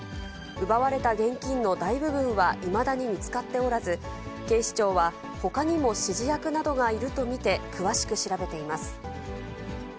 奪われた現金の大部分はいまだに見つかっておらず、警視庁は、ほかにも指示役などがいると見て詳しく調べています。